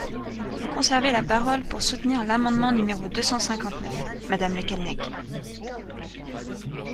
Vous conservez la parole pour soutenir l’amendement numéro deux cent cinquante-neuf, madame Le Callennec.